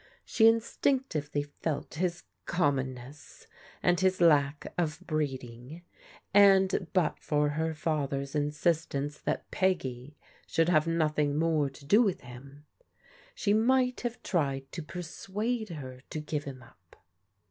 She instinctively felt his common ness and his lack of breeding, and but for her father's insistence that Peggy should have nothing more to do with him, she might have tried to persuade her to give him up.